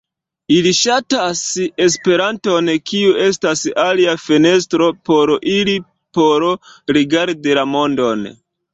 Ili ŝatas Esperanton, kiu estas alia fenestro por ili por rigardi la mondon.